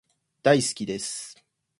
大好きです